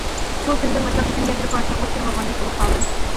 شۇ كۈندىن باشلاپ ئىچىمگە بىر پارچە ئوت كىرىۋالغاندەك بولۇپ قالدىم.